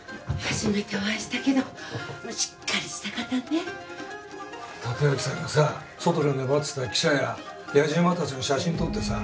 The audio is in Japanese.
初めてお会いしたけどしっかりした方ね立脇さんがさ外で粘ってた記者ややじ馬達の写真撮ってさ